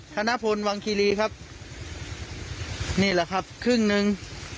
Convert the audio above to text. ธนพลวังคีรีครับนี่แหละครับครึ่งหนึ่ง